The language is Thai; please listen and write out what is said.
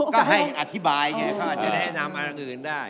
ก็ให้อธิบายไงเขาอาจจะแนะนำอันอื่นได้